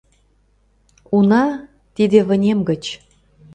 Уна, тиде вынем гыч.